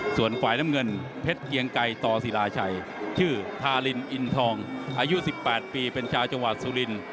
ส่วนฝ่ายน้ำเงินเพชรเกียงไกรต่อศิลาชัยชื่อทารินอินทองอายุ๑๘ปีเป็นชาวจังหวัดสุรินทร์